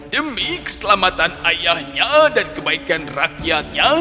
demi keselamatan ayahnya dan kebaikan rakyatnya